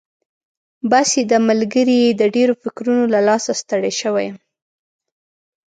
بس یې ده ملګري، د ډېرو فکرونو له لاسه ستړی شوی یم.